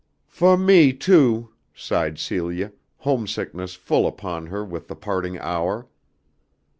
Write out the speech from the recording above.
"Fo' me, too," sighed Celia, homesickness full upon her with the parting hour.